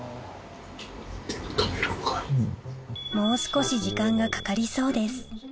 もう少し時間がかかりそうです